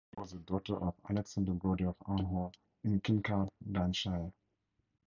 Brodie was the daughter of Alexander Brodie of Arnhall in Kincardineshire.